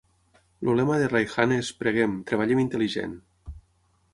El lema de "Raihan" és "Preguem, treballem intel·ligent".